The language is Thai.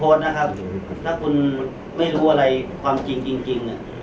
ส่วนคนที่โฟส์นะครับถ้าคุณไม่รู้อะไรความจริงจริงจริง